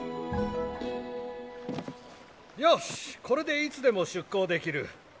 これでいつでも出航できる。